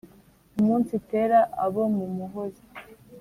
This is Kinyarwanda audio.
Umunsi itera abo mu Muhozi,